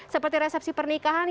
seperti resepsi pernikahan